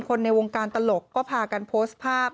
ในวงการตลกก็พากันโพสต์ภาพ